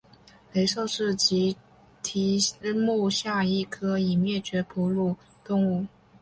雷兽是奇蹄目下一科已灭绝的哺乳动物。